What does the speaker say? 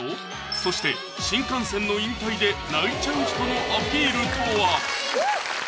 そして新幹線の引退で泣いちゃう人のアピールとは？